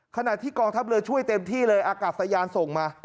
ขณะที่กองทัพเรือช่วยเต็มที่เลยอากาศยานส่งมา